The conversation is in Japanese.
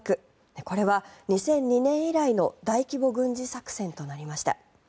これは２００２年以来の大規模軍事作戦となりました。